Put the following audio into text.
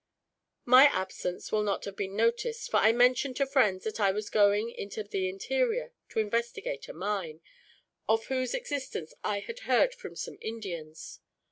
"My absence will not have been noticed, for I mentioned to friends there that I was going into the interior, to investigate a mine, of whose existence I had heard from some Indians.